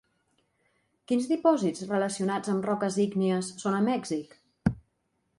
Quins dipòsits relacionats amb roques ígnies són a Mèxic?